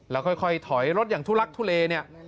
แล้วค่อยถอยรถอย่างทุลักทุเลเนี่ย